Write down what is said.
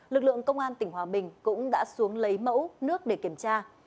lực lượng công an tỉnh hòa bình cũng đã xuống lấy mẫu nước để kiểm tra